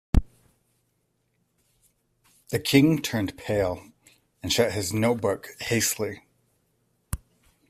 The King turned pale, and shut his note-book hastily.